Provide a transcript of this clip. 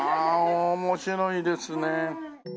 面白いですね。